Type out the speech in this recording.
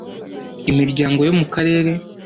imiryango yo mu karere